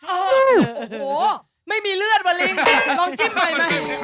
โอ้โหไม่มีเลือดวอลิงลองจิ้มใหม่ไหม